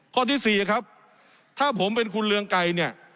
ข้อที่๔ครับถ้าผมเป็นคุณเรืองไกรเนี่ย